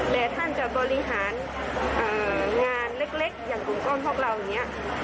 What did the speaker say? ท่านจะบริหารงานเล็กอย่างกลุ่มก้อนพวกเราอย่างนี้